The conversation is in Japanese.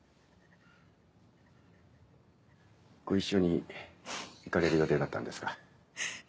ご一緒に行かれる予定だったんですか？